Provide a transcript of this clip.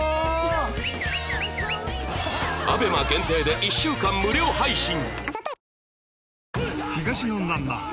アベマ限定で１週間無料配信